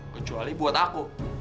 kecuali buat aku